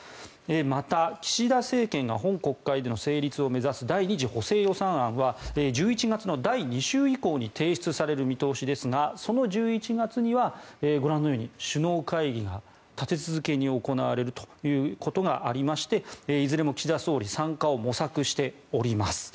また岸田政権が本国会での成立を目指す第２次補正予算案は１１月の第２週以降に提出される見通しですがその１１月にはご覧のように首脳会議が立て続けに行われるということがありましていずれも岸田総理参加を模索しております。